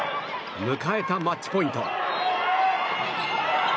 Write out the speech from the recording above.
迎えたマッチポイント。